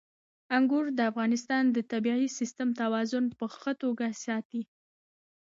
انګور د افغانستان د طبعي سیسټم توازن په ښه توګه ساتي.